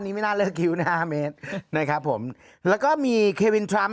นี่ไม่น่าเลิกคิ้วนะฮะห้าเมตรนะครับผมแล้วก็มีเควินทรัมป